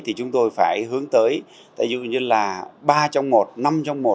thì chúng tôi phải hướng tới ví dụ như là ba trong một năm trong một